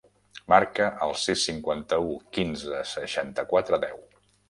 Marca el sis, cinquanta-u, quinze, seixanta-quatre, deu.